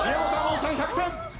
門さん１００点。